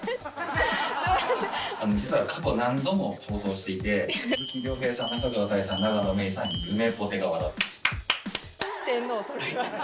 実は過去、何度も放送していて、鈴木亮平さん、中川大志さん、永野芽郁さんにゆめぽてが笑ってました。